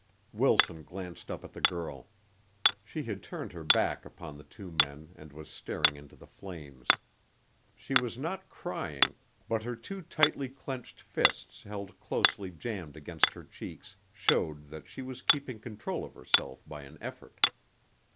Wilson glanced up at the girl. She had turned her back upon the two men and was staring into the flames. She was not crying, but her two tightly clenched fists held closely jammed against her cheeks showed that she was keeping control of herself by an effort.